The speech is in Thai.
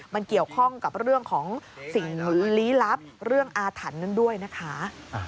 มันเกี่ยวข้องกับเรื่องของสิ่งลี้ลับเรื่องอาถรรพ์นั้นด้วยนะคะ